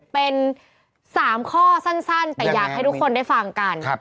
เป็น๓ข้อสั้นแต่อยากให้ทุกคนได้ฟังกัน